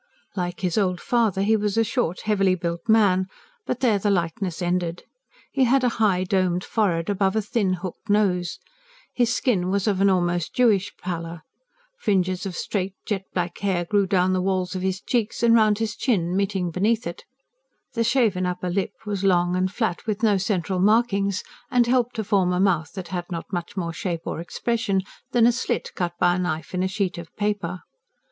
Like his old father, he was a short, heavily built man; but there the likeness ended. He had a high, domed forehead, above a thin, hooked nose. His skin was of an almost Jewish pallor. Fringes of straight, jet black hair grew down the walls of his cheeks and round his chin, meeting beneath it. The shaven upper lid was long and flat, with no central markings, and helped to form a mouth that had not much more shape or expression than a slit cut by a knife in a sheet of paper.